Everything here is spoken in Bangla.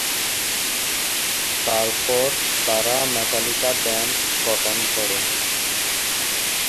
তারপর তারা মেটালিকা ব্যান্ড গঠন করেন।